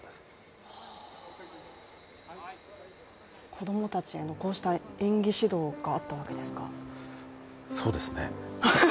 子供たちへのこうした演技指導があったわけですかそうですね。